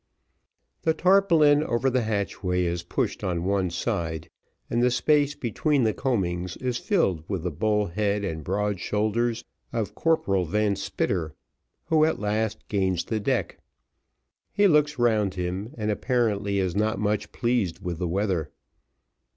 The tarpaulin over the hatchway is pushed on one side, and the space between the coamings is filled with the bull head and broad shoulders of Corporal Van Spitter, who, at last, gains the deck; he looks round him and apparently is not much pleased with the weather.